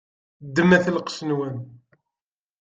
Ddmet lqec-nwen.